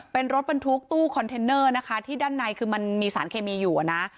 เป็นรถบรรทุกตู้คอนเทนเนอร์นะคะที่ด้านในคือมันมีสารเคมีอยู่นะ